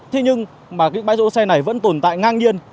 thế nhưng mà cái bãi đỗ xe này vẫn tồn tại ngang nhiên